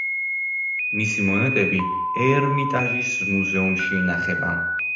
მისი მონეტები ერმიტაჟის მუზეუმში ინახება.